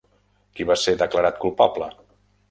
Qui va ser declarat culpable?